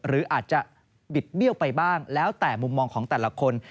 หรืออาจจะบิดเบี้ยวไปบ้างแล้วแต่มุมมองของแต่ละคน